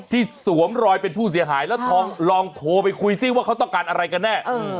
สวมรอยเป็นผู้เสียหายแล้วลองโทรไปคุยซิว่าเขาต้องการอะไรกันแน่